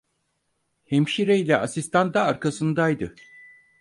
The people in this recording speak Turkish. Hemşireyle asistan da arkasındaydı.